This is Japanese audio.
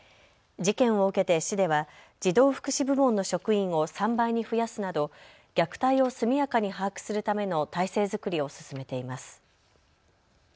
事件を受けて市では児童福祉部門の職員を３倍に増やすなど虐待を速やかに把握するための体制づくりを進めています。